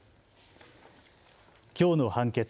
きょうの判決。